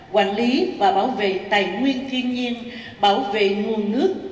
quản lý và bảo vệ tài nguyên thiên nhiên bảo vệ nguồn nước